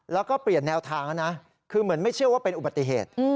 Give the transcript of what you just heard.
แล้วก็เปลี่ยนแนวทางแล้วนะคือเหมือนไม่เชื่อว่าเป็นอุบัติเหตุ